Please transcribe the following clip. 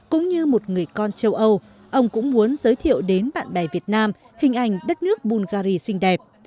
cũng như một người con châu âu ông cũng muốn giới thiệu đến bạn bè việt nam hình ảnh đất nước bungary xinh đẹp